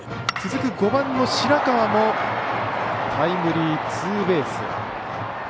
続く５番の白川もタイムリーツーベース。